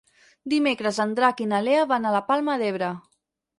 Dimecres en Drac i na Lea van a la Palma d'Ebre.